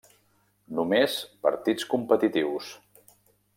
Només partits competitius.